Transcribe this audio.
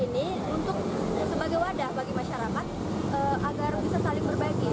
ini untuk sebagai wadah bagi masyarakat agar bisa saling berbagi